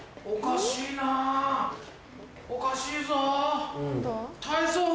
おかしいなぁおかしいぞ。